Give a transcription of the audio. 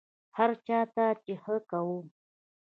هر چا ته چې ښه کوم،